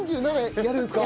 やるんですよ。